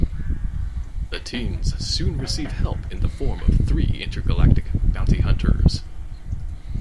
The teens soon receive help in the form of three intergalactic bounty hunters.